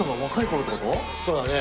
そうだね。